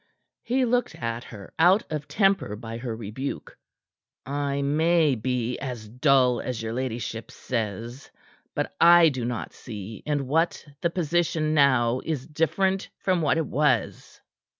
He looked at her, out of temper by her rebuke. "I may be as dull as your ladyship says but I do not see in what the position now is different from what it was."